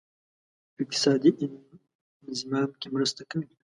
په اقتصادي انضمام کې مرسته کوي.